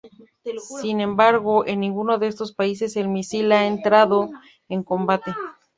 Sin embargo, en ninguno de estos países el misil ha entrado en combate.